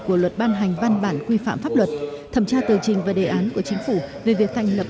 của luật ban hành văn bản quy phạm pháp luật thẩm tra tờ trình và đề án của chính phủ về việc thành lập